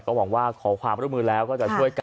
หวังว่าขอความร่วมมือแล้วก็จะช่วยกัน